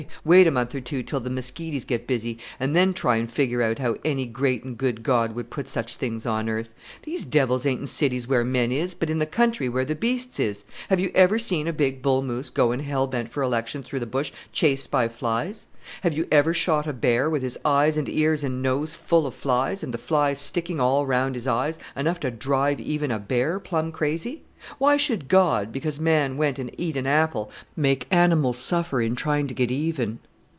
wait a month or two till the miskities get busy, and then try and figure out how any great and good God would put such things on earth! These devils ain't in cities where men is, but in the country where the beasts is. Have you ever seen a big bull moose going hell bent for election through the bush chased by flies? Have you ever shot a bear, with his eyes and ears and nose full of flies, and the flies sticking all round his eyes, enough to drive even a bear plumb crazy? Why should God, because man went and eat an apple, make animals suffer in trying to get even?"